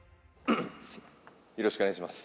よろしくお願いします。